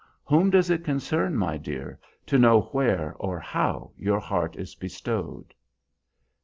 Whom does it concern, my dear, to know where or how your heart is bestowed?"